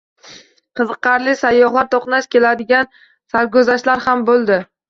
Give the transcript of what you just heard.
Qiziqarli, sayyohlar toʻqnash keladigan sarguzashtlar ham boʻldi.